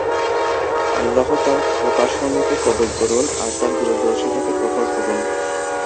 আল্লাহ তাঁর প্রকাশনীকে কবুল করুন আর তাঁর দূরদর্শিতাকে প্রখর করুন।